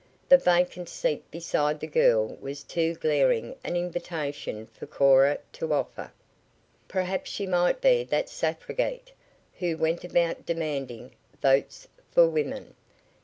The vacant seat beside the girl was too glaring an invitation for Cora to offer. Perhaps she might be that suffragette, who went about demanding "Votes for women!"